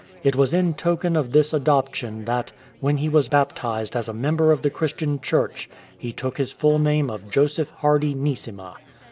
It was in token of this adoption that, when he was baptized as a member of the Christian Church, he took his full name of Joseph Hardy Neesima.